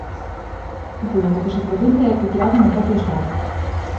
O lúpulo co que se produce é cultivado no propio estado.